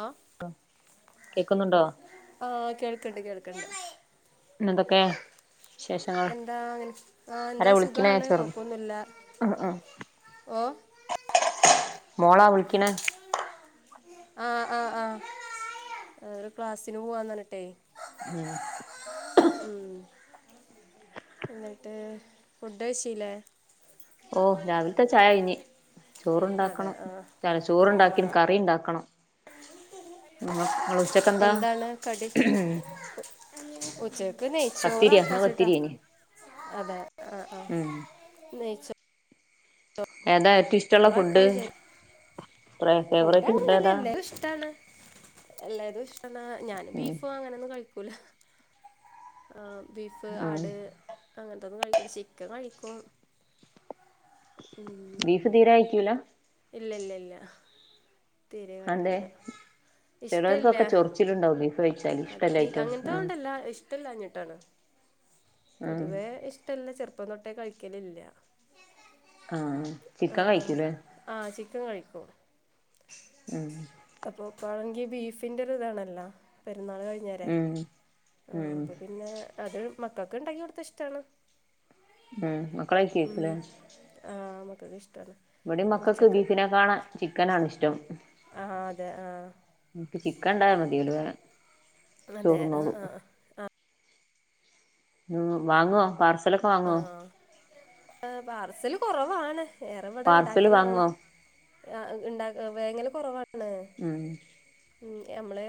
ആ കേക്ക്ന്നുണ്ടോ? ക്ക്‌ണ്ട് കേൾക്ക്‌ണ്ട്. വിശേഷങ്ങൾ എന്താ അങ്ങനെ ആഹ് ആരാ എന്താ വിളിക്കണേ സുഖാണ് ചെറുത് കൊഴപ്പൊന്നുല്ല ഉം ഉം ഓഹ് മോളാ വിളിക്ക്‌ണെ? ആഹ് ആഹ് ആഹ് ഓര് ക്ലാസ്സിന് പോവാന്നർഞ്ഞിട്ടെ ഉം ഉം എന്നിട്ട് ഫുഡ് കഴിച്ചില്ലേ ഓ രാവിൽത്തെ ചായ ഇനി അതെ ചോറുണ്ടാക്കണം ആഹ് ചൽ ആഹ് ചോറണ്ടാക്കിനു കറി ഇണ്ടാക്കണം ഇങ്ങ ഇങ്ങൾ ഉച്ചക്കെന്താ? എന്താണ് ഉച്ചക് ക്ക്‌ നെയ്ച്ചോറ് പത്തിരിയാ ആക്കാ ഇന്ന് ച്ചിട്ടാ പത്തിരിയേനി അതെ ആഹ് ആഹ് ഉം നെയച്ചോ ഏതാ ഏറ്റവും ഇഷ്ടമുള്ള കൊറേക്ക ഫുഡ് വിചാ ഫേവറേറ്റ് ഫുഡ് ഫുഡങ്ങനൊന്നു ഇല്ല ഏതാ എല്ലാതും ഇഷ്ടാണ് എല്ലാതും ഇഷ്ട്ടാണ് ഞാന് ഉം ബീഫോ അങ്ങനെ ഒന്നും കഴി ക്കൂല ആഹ് ബീഫ്, ഉം ആട് അങ്ങനത്തോന്നും കഴിക്കൂല ചിക്കൻ കഴിക്കും. ബീഫ് തീരെയയ്ക്കൂല ഇല്ലല്ലല്ലാ അതെ ഇഷ്ടമല്ല ചെലർക്കൊക്കെ ചൊറിച്ചില് ഉണ്ടാവൂല്ലേ അതെ എഹ് അങ്ങനത്തെ കൊണ്ടല്ല ഇഷ്ടല്ലാഞ്ഞി ട്ടണ് ഉം പൊതുവെ ഇഷ്ടല്ല ചെറുപ്പ് പ്പം തൊട്ടേ കഴിക്കലില്ല ആഹ് ചിക്കൻ കഴിക്കൂലെ ക്കൻ കഴിക്കും അപ്പൊ പഴ ഈ ബീഫിന്റൊരു ഇതാണല്ലോ പെരുന്നാൾ കഴിഞ്ഞരെ ഉം ആ ഉം അപ്പ പിന്നെ അത് മക്ക ക്ക്ണ്ടാക്കി കൊടുത്ത ഇഷ്ടാണ് ആ മക്കള് കഴിക്കോയ്ക്കൂലേ [unintelligible] ഇവിടെ മക്കക്ക് ഉച്ചക്ക് ബീഫിനെ കാണ ചിക്കനാണിഷ്ടം ആഹ് അതെ ആഹ് ഇൻക്ക് ചിക്ക ഇണ്ടായ മതില് അതെ ആഹ് ആഹ് ആഹ് ആ ഉം വാങ്ങോ പാർസ് ആഹ് എ പാർസലും പാർസല് വാങ്ങുവോ ആ ഇഹ് ഇണ്ടാ ഇഹ് വേങ്ങല് കൊറവാ ഉം മ് ഞമ്മള്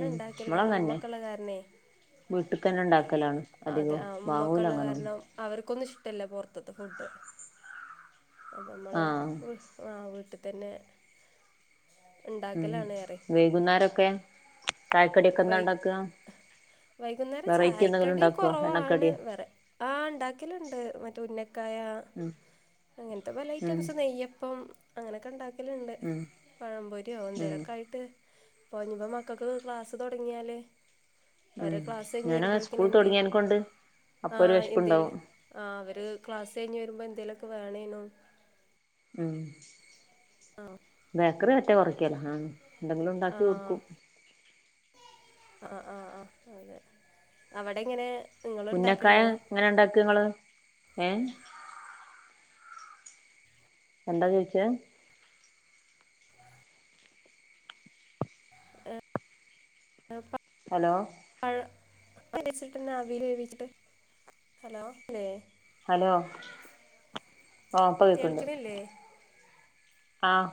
ഉം ഇവളങ്ങന്നെ കാരണേ വീട്ട്ക്കന്നെ ഇണ്ടാക്കലാണ് അധികൊ വാങ്ങൂല്ല അങ്ങനൊന്നും ലോം അവർക്കൊന്നിഷ് ടല്ല പൊറ്ത്ത്ത ഫുഡ് അപ്പമ്മള് ആഹ് വിഹ് ആ വീട്ട് തെന്നെ ഉം വൈകുന്നേരൊക്കെ ചായക്കടിയൊക്കെ എന്താ വൈ ഇണ്ടാക്കാ വൈകുന്നേരം വെറൈറ്റി എന്തെങ്കിലും ചായക്കടി ഇണ്ടാക്കോ കൊറവാണ് എണ്ണക്കടിയോ വെറെ ആ ഇണ്ടാക്കലണ്ട് മറ്റെ ഉന്നക്കായ ഉം അങ്ങൻത്തെ പല ഉം ഐറ്റംസ് നെയ്യപ്പം അങ്ങനൊക്കെണ്ടാക് എല്ണ്ട് ഉം പഴംപൊരിയൊ ഉം ഓന്തേലൊക്കായിട്ട് പോഞ്ഞിപ്പോ മക്കൾക്ക് ക്ലാസ് തൊടങ്ങിയാല് ഉം ഞാനാസ്കൂൾ എന്തേലും തൊട്ങേയ്നെ കൊണ്ട് അപ്പൊരു വെഷ്പ്പുണ്ടാവും ഹ് ക്ലാസെഴിഞ്ഞ് വരുമ്പൊ എന്തേലൊക്കെ വേണേനും ഉം ആ ബേക്കറി [unintelligible] എന്തെങ്കിലും ആ ഉണ്ടാക്കി കൊടുക്കും അ അ അ ആ അതെ അവടെങ്ങനെ പുന്നക്കായ ങ്ങനെ ഇണ്ടാക്ക ങ്ങള് എ എന്ത ചോയിചെ ഏ [unintelligible] ഹലോ വിരിച്ചിട്ടന്നെ ആവീല് വേവിച്ചിട്ട് ഹലോ ല്ലേ ഹലോ ഓ പ്പ കേക്ക്‌ണ്ട് കേൾക്കണില്ലേ ആഹ്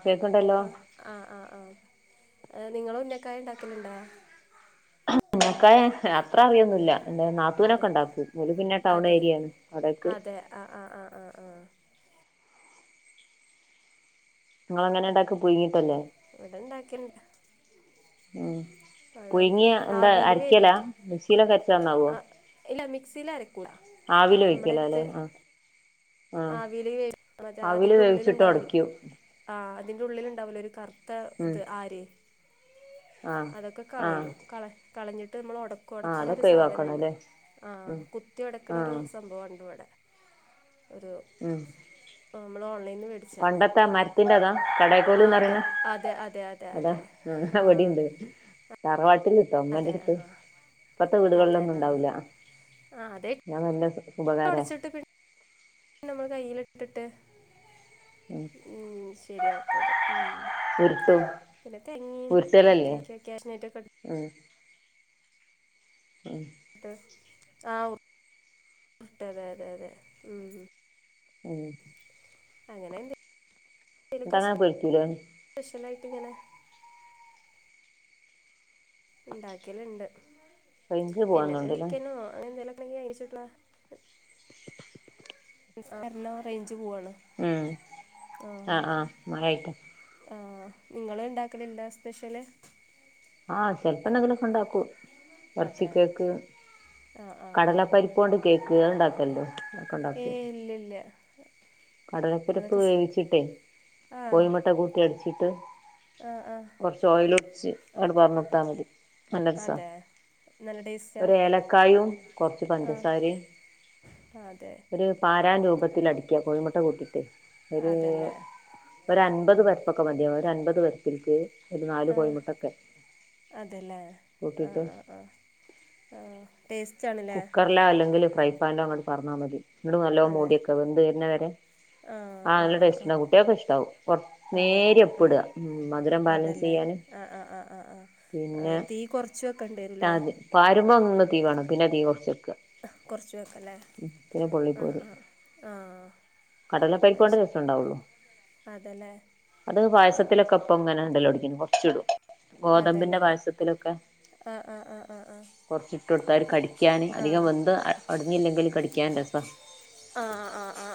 അ അ ആഹ് ആ ഹ് നിങ്ങളുന്നക്കായണ്ടാക്കലുണ്ടോ ഉന്നക്കായ ത്ര അറിയൊന്നുല്ല ന്റെ അതെ നാത്തൂനൊക്കെണ്ടാക്കും ഓല് പിന്നെ ടൗൺ അതെ ഏരിയേണ് വാടാക്ക് അതെ ആ ആ ആ ആ ആ ങ്ങളെങ്ങെനെ ഇണ്ടാക്ക പുയ്ങ്ങീട്ടല്ലെ ഇവടെണ്ടാക്കിൺ ഉം പുയ്ങ്ങിയ എന്താ ആവിൽ അരക്കലാ വേവിക്കും മിക്സ്സീലൊക്കെ അര്ച്ചാന്നാവോ? സിലര ആവീല് വേയിക്കലാലെ ആഹ് ആവില് വേ അത് അതിന്റെ ഉള്ളിൽ വേവിച്ചിട്ട് ഇണ്ടാവൽ ഒടക്കും ആഹ് അതിന്റെ ഉള്ളിൽ ഇണ്ടാവുല്ലോ ഒരു കർ ത്ത ഉം ത് ആര് ആ അതൊക്കെ ആ കളയും കള കളഞ്ഞ് ട്ട് അമ്മള് ഒടക്കും ആ ഒടക്കണൊരു അതൊക്കെ ഒഴിവാക്കണം സാധനണ്ട് ല്ലേ ആ ഉം കുത്തി ഒടക്ക്ണൊരു സംഭവണ്ട് വടെ. മ് മ്മള് ഓൺ പണ്ടത്തെ മരത്തിന്റെ അതാ ആ കടൈക്കോലിന്ന് അതെ പറയുന്ന അതെ അതെ അതെ അതാ അതെ ആ അവടെണ്ട് തറവാട്ടിൽ അതെ നമ്മടെടുത്ത് ആ പത്ത് അതെ വിടുകളിലൊന്നും ആ ഇണ്ടാവുല്ല ആ അത് ഞങ്ങ ഇന്നത് ഉപകാര ഉടച്ചിട്ട് പിന്നെ നമ്മൾ കയ്യില ഇട്ടിട്ട് ഉം ഉം ശരിയാക്കും അത് ഉം ഉരുട്ടും പിന്നെ തേങ്ങി ഉരുട്ടലല്ലേ മറ്റെ ക്കെ ക്യാഷിനട്ടൊക്കെ ഉം ഉം ആവ് ട്ട് അതെ അതെ അതെ ഉം ഉം ഉം അങ്ങനെ എന്തെ [unintelligible] ത്തിങ്ങനെ ഇണ്ടാക്കല്ണ്ട്. റേഞ്ച് പിന്നെന്തെലും പോവാന്നോണ്ട്ല്ലേ വിക്കനോ അങ്ങനെ എന്തെലൊ [unintelligible] നിസ്‌കർണോ കയ്ഞ്ഞ് ഉം ആഹ് ആഹ് മയ കയ്യട്ടേ ആ നിങ്ങള് ഇണ്ടാക്കലില്ലാ സ്പെഷ്യല്? ആ ചെൽപ്പോ എന്തെങ്കിലും ഒക്കെണ്ടാക്കും. എർച്ചി അതെ കേക്ക്, ആ ആ കടലപ്പരിപ്പ് കൊണ്ട് കേ ഇങ്ങള് ഇണ്ടാക്കൽ ണ്ടോ? ഏ ഇല്ല ഇല്ല. കടലപ്പരിപ്പ് വേവിച്ചിട്ടെ ആ കോയിമുട്ട കൂട്ടി അടിച് ട്ട് ആ ആ കൊർച്ച് ഓയിലു ച്ച് അങ്ങട്ട് പാർന്നൊട്ത്താ മതി. നല്ല രസ അതെ നല്ല ടേസ്റ്റാ ഒര് ഏലക്കായും കൊർച്ച് ആ പഞ്ചസാരിം അതെ ഒരു പാരാൻ രൂപത്തിൽ അടിക്ക കോഴിമു കൊട്ടിട്ട്. ഒരു അതല്ലേ ഒരു ആ അൻപത് പേർക്കൊക്കെ മതിയാവ അൻപത് [unintelligible] ആഹ് കോഴിമുട്ടൊക്കെ അതല്ലേ കൂട്ടിയിട്ട് ആഹ് ആഹ് ആഹ് ടേസ് കുക്കറില അല്ലെങ്കില് [unintelligible] ഫൻോ അങ്ങോട് പറഞ്ഞാൽ മതി. ന്നട്ട് നല്ലോ അതെ മൂടി വെക്ക വെന്ത് വെർണ വരെ ആ ആഹ് ആ നല്ല ആ ടേസ്റ്റ് ആ ഇണ്ടാകും കുട്ടിയാക്ക് ഇഷ്ടാകും കു അതെ നേരിയ ആ ഉപ്പ്ടാ മധുരം ബാലൻസ് അതല്ലേ ചെയ്യാന് ആ ആ ആ ആ ആ ആ, പിന്നെ തീ കുറച്ച് വെക്കേണ്ടി ചാ വരുമല്ലേ വരുമങ്ങ തീവണ പിന്നെ തീ കുറച്ച് കുറച്ച് വെക്കല്ലേ ആ [unintelligible] ആ ആ കടല അത് പരിപ്പോണ്ടെ ശരി രസണ്ടാവൊള്ളു അതല്ലേ അത് പായസത്തിലൊക്കപ്പം ഇടലെട ചുടു ഗോതമ്പിന്റെ അതല്ലേ പായസത്തിലൊക്കെ ആ ആ ആ ആ ആ ആ കൊറച്ചിട്ടോടു കടിക്കാന് അധികം വെന്ത് ഒടഞ്ഞില്ലെങ്കും കടിക്കാൻ രസ ആ ആ ആ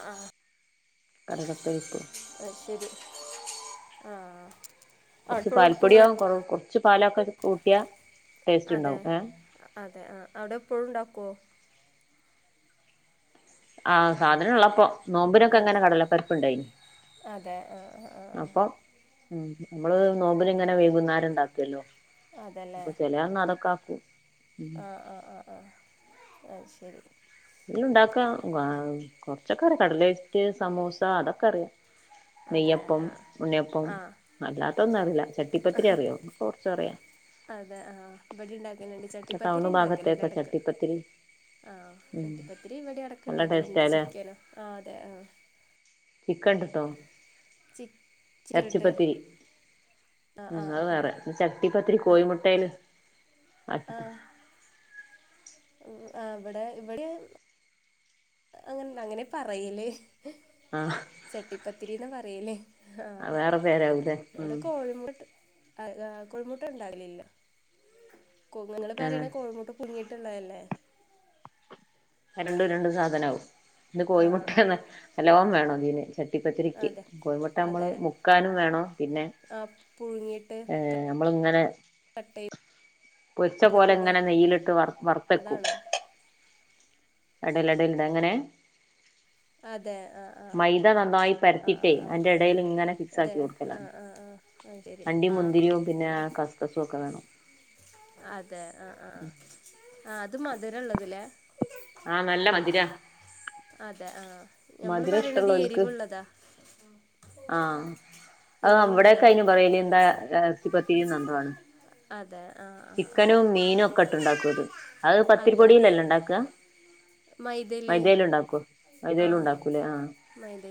കടലപ്പരിപ്പ് ആഹ് ശരി ആഹ്. കുറച്ച് പാൽപ്പൊടി ആകും കൊറ കുറച്ചു പാലൊക്കെ കൂട്ടിയ അതെ അതെ ആഹ് അവിടെ എപ്പോഴും ഇണ്ടാക്കുവോ? ആഹ് സാധന ള്ളപ്പൊ നോമ്പിനൊക്കെ അതെ അങ്ങനെ കടല പരിപ്പുണ്ടായിനി അതെ ആ ആ ആ അപ്പൊ ഉം നമ്മള് നോബ്ന്ങ്ങനെ വൈകുന്നേരം ഇണ്ടാക്കല്ലോ ആ അതല്ലേ അപ്പൊ ചലയന്നാ അതക ആഹ് ആഹ് ആഹ് ആഹ് അയ് ശ് ശരി [unintelligible] ചച്ചക്കറി കടലേറ്റ്, സമൂസ, അതൊക്കെ അറിയാം അതെ നെയ്യപ്പം, ആഹ് ഉണ്ണിയപ്പം, ആഹ് അല്ലാത്തൊന്നും അറില്ല ചട്ടിപ്പത്തിരി അറിയോ കുറച്ച അറിയാം അതെ ആഹ് ഇവിടെ ഉണ്ടാക്കലുണ്ട് ചട്ടിപ്പത്തിരി ടൗണ് ഉണ്ടാക്കലുണ്ട് ഭാഗത്തെക്കെ ഇടക്ക് ചട്ടിപ്പത്തിരി ആഹ് ഉം ചട്ടിപ്പത്തിരി ഇവിടെം നല്ല എടക്ക്ണ്ടാക്കല്ണ്ട് ടേസ്റ്റാല്ലേ ചിക്കന ആ അതെ ആഹ് ചിക്കട്ട്ട്ടോ ചി ചിക്കൻ ഇട്ട് എർച്ചിപ്പത്തിരി ആഹ് ഉ ആഹ് അത് ആഹ് വേറെ ചട്ടിപ്പത്തിരി ആഹ് കോഴിമുട്ടേൽ ആക്കിട്ട് ആ ഇവിടെ ഇവിടേ അങ്ങന്‌ണ്ട അങ്ങനെ പറയല് ആഹ് ചട്ടിപ്പത്തിരിന്ന പറയല് അത് ആഹ് വേറെ പേരാവൂലേ ഇവിടെ ഉം കോഴിമൊ ആ കൊഴിമുട്ട ഉണ്ടാകലില്ല [unintelligible] ങള് ആഹ് പറയ്ണേ കോഴിമുട്ട [unintelligible] ട്ട്ണ്ടായില്ലെ രണ്ടും രണ്ടും സാധനവും ഇത് ആഹ് ആഹ് കോഴിമുട്ടന്ന നല്ലോം വേണോതിന് ട്ടിപ്പത്തിരിക്ക് അതെ കോഴിമുട്ട നമ്മള് അതെ മുക്കാലും വേണം പിന്നെ ആഹ് പുഴുങ്ങിയിട്ട് ഏ നമ്മള് ഇങ്ങനെ കട്ട് പൊര്ച്ച പോലെ ചെയ്തിട്ടിട ഇങ്ങനെ നെയ്യിലിട്ട് വ വറുത്തെക്കും അതാണോ അടൽടലണ്ട അങ്ങനെ അതെ ആ മൈദ നന്നായി ആ പരത്തിട്ടേ അതിന്റെ ഇടയിൽ ഇങ്ങനെ ഫിക്സ് അതെ ആക്കി ആ കൊടുക്കലാണ് ആ ആ ആ ശരി അണ്ടിയും ആ മുന്തിരിയും പിന്നെ കസ്കസും ഒക്കെ വേണം അതെ ആ ആ ആ അത് മധുരം ഉള്ളത് ലേ ആഹ് നല്ല മതിരാ അതെ ആഹ് ഞമ്മള് മധുരം പറയണത് ഇഷ്ടൊല്ലോൽക്ക് എരിവുള്ളതാ ആഹ് അത് എരിവുള്ളതാ അവിടൊക്കെ പ അയിന്ന് പറയല് എന്താ എർച്ചിപ്പത് തിരി ന്നെന്തോ ആണ് അതെ ആഹ് ആഹ് ആഹ് ചിക്കനും മീനും ഒക്കെ ഇട്ട് ഉണ്ടാക്കും അത് അത് അതെ പത്തിരിപ്പൊടിന്നല്ലെ ഇണ്ടാക്ക മൈദയില് മൈദയിലുണ്ടാക്കോ മൈദയിലും ആഹ് ഉണ്ടാക്കൂല്ലേ ആഹ്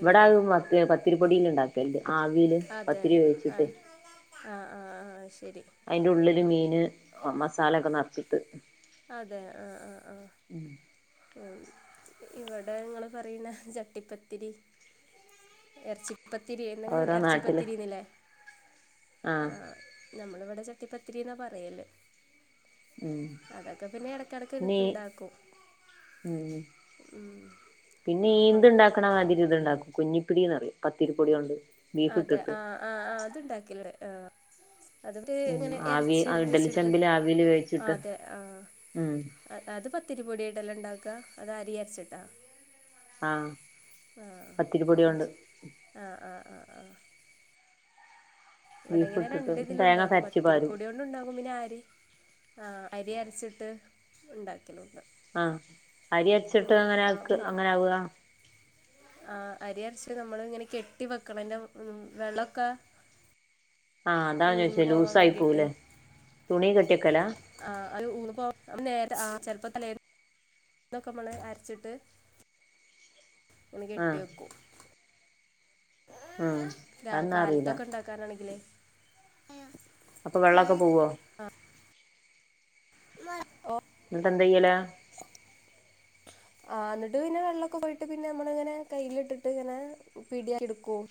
ഇവിടെ അത് മത്ത് പ പത്തിരിപൊടീല് ഇണ്ടാ ക്കൽ ണ്ട് ആവില് അതെ പത്തിരി വേച്ചിട്ടെ ആഹ് ആഹ് ആഹ് ആഹ് ശരി അയ്ന്റെ ഉള്ളില് മീൻ ന് ആ മസാലൊക്കെ നെർച്ചിട്ട് അതെ ആഹ് ആഹ് ആഹ് ഉം ഇവിടെ ങ്ങള് പറയ്ന്ന ചട്ടിപ്പത്തിരി എർച്ചി പ്പത്തിരിയേ നിങ്ങള് ഓരോ നാട്ടില് ഇറച്ചിപ്പത്തിരിന്ന് ല്ലേ ആഹ് നമ്മള്ഇവിടെ ട്ടിപത്തിരി ന്നാ പറയല് ഉം അതൊക്കെ പിന്നെ ഇടക്കിടക്ക് ന്നെ ഉണ്ടാക്കും ഉം ഉം പിന്നീ അങ്ങനെ ന്ത് മക്ക ണ്ടാക്കണമാതിരി ഇതു ഉണ്ടാക്കും കുഞ്ഞിപ്പിടിന്നറിയും പത്തിരിപ്പൊടിയോണ്ട് അതെ ആ ആ ആ അത്ണ്ടാക്ക അത്ട്ട് ഉം ഇങ്ങനെ ആവി എർച്ചി എല്ലും ഇഡലി വെച്ചിട്ട് ചെമ്പില് ആവില് വേവിച്ചിട്ട് ആതെ ആ ഉം അത് പത്തിരിപൊടിയായിട്ടല്ലേ ഇണ്ടാ ക്ക അത് അരി അര്ച്ചിട്ടാ ആഹ പത്തിരിപൊടിയോണ്ട് ആഹ് ആഹ് ബീഫ് ഇവിടങ്ങനെ ഇട്ടിട്ട് രണ്ട്തിലും തേങ്ങൊക്കെ ഉണ്ടാക്കും അരച്ച് പാരും പത്തിരിപ്പൊടിയോണ്ടും ണ്ടാക്കും പിന്നെ ആര് ആഹ് അരി അര്ച്ച്ട്ട് ണ്ടാക് ആഹ് അരി അര്ച്ചിട്ട് നമ്മൾ ആഹ് അങ്ങനെക്ക് പു അങ്ങനെ ആവ ആഹ് അരി അരച്ച് നമ്മള് ഇങ്ങനെ കെട്ടി വെക്കണം ൻ്റെ വെള്ളൊക്കെ ആഹ് അതാണ് ചോച്ചേ ലൂസായി പോവുലെ തുണി കെ ആ അത് ഊന്ന് പോ നമ് [unintelligible] ആ ചെലപ്പോ തലേന്ന് ന്നൊക്കെ മ്മള് അരച്ചിട്ട് തുണി കെട്ടി ആഹ് വെക്കും. ഉം രാ അതൊന്നും അറിയില്ല കാലത്തൊക്കെ ഇണ്ടാക്കാനാണെങ്കിലേ. അപ്പൊ വെള്ളക്കെ പോവോ? ഓ ഇന്നിട്ട് എന്തിയ്യലാ? ആ ഇന്നിട്ട് പിന്നെ വെള്ളൊക്കെ പോയിട്ട് പിന്നെ നമ്മള് ഇങ്ങനെ കയ്യിലിട്ടിട്ട് ഇങ്ങനെ പിടി ആയി ഇടുക്കും.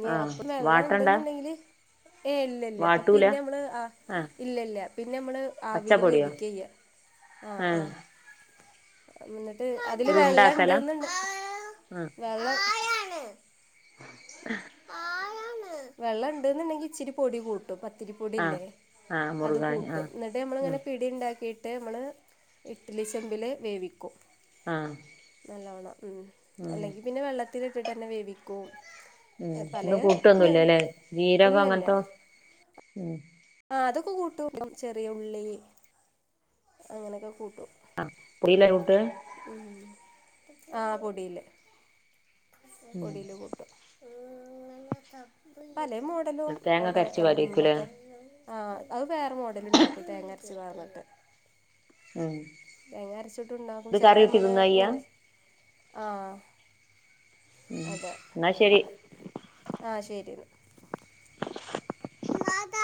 ഞി ആഹ് അപ്പം വെള്ളം വാട്ടണ്ടാ ഇണ്ട്ന്ന്ണ്ടെങ്കില് ഏയ് ഇല്ല ഇല്ല വാട്ടൂല പിന്നെ മ്മള് ആ ആഹ് ഇല്ലല്ല പിന്നെ മ്മള് ആവീല് പച്ചപ്പൊടിയോ വേവിക്കയ്യ ആഹ് ആഹ്. [unintelligible] ട്ട് അതില് ഒരു വെള്ള ഉണ്ടാക്കലാ ഇണ്ട്ന്ന്ണ്ട് ആ വെള്ള വെള്ളം ഇണ്ട്ന്ന്ണ്ടെങ്കി ഇച്ചിരി പൊടി കൂ ട്ടും ആ പത്തിരിപ്പൊടില്ലേ ആ അത് മുറുകാനി ആ കൂട്ടും ഇന്നിട്ട് ഉം ഞമ്മളിങ്ങനെ പിടി ഇണ്ടാക്കി ട്ട് നമ്മള് ഇഡ്ലി ചെമ്പില് വേവിക്കും. ആ നല്ലോണം ഉം ഉം ഉം അല്ലെങ്കി പിന്നെ വെള്ള ത്തിലിട്ടിട്ടന്നെ വേവിക്കും ഉം പല ഇന് കൂട്ടൊന്നുംല്ലല്ലേ ജീരക ഇല്ല ഇല്ല അങ്ങനത്തൊ ഉം ആ അതൊക്കെ കൂട്ടും ചെറിയ ഉള്ളി അങ്ങനൊക്കെ കൂട്ടും ആ പൊടിയില കുട്ട്ക ഉം ആ പൊടില് ഉം പൊടീല് കൂട്ടും [unintelligible] പല മോഡലും തേങ്ങ അവിടെ ഒക്കെ അരച്ച് പാരേക്കുല്ലേ അമ്മക്ക് ആഹ് അതു വേറെ മോഡൽ ഇണ്ടാക്കും തേങ്ങര രിച്ചു പാർന്നിട്ട് ഉം തേങ്ങ അരച്ചിട്ടുണ്ടാക്കും ഇത് കറി ചെലപ്പോ കൂട്ടി മ്മള് തിന്നാ ചെയ്യാ ഇങ്ങനെ ആഹ് ഉം ന്നാ ശരി ആഹ് ശരി ന്നാ മാതാ